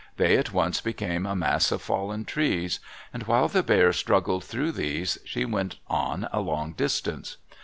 They at once became a mass of fallen trees. And while the Bears struggled through these, she went on a long distance.